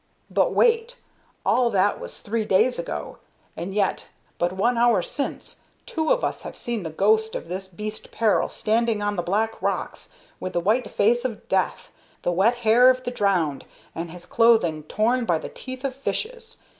But wait. All that was three days ago; and yet, but one hour since, two of us have seen the ghost of this beast Per'l standing on the black rocks, with the white face of death, the wet hair of the drowned, and his clothing torn by the teeth of fishes.